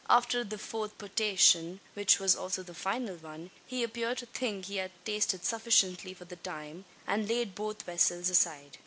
After the fourth potation, which was also the final one, he appeared to think he had tasted sufficiently for the time, and laid both vessels aside.